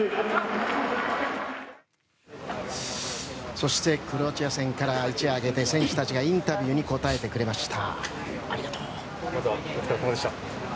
そしてクロアチア戦から一夜明けて選手たちがインタビューに答えてくれました。